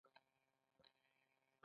دا د مطلوب وضعیت طراحي ده.